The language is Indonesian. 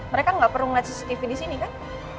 mereka nggak perlu melihat cctv di sini kan